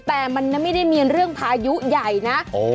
แต่มันไม่ได้มีเรื่องพายุใหญ่นะ